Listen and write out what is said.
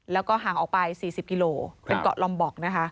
แล้วก็ห่างออกไป๔๐กิโลเป็นเกาะลอมบอกนะคะ